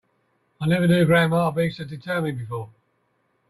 I never knew grandma to be so determined before.